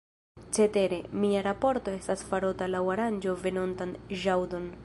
Cetere, mia raporto estas farota laŭ aranĝo venontan ĵaŭdon.